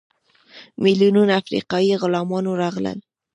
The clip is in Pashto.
میلیونونه افریقایي غلامان راغلل.